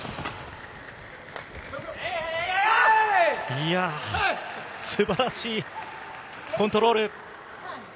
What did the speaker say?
いやー、すばらしいコントロール。